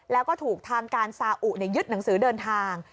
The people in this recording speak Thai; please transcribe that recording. แล้วก็ถูกทางการซาอุยึดหนังสือเดินทาง